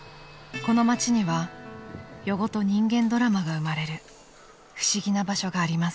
［この町には夜ごと人間ドラマが生まれる不思議な場所があります］